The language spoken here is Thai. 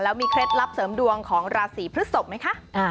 แล้วมีเคล็ดลับเสริมดวงของราศีพฤศพไหมคะ